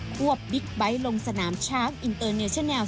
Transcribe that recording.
วบบิ๊กไบท์ลงสนามช้างอินเตอร์เนเชอร์แลล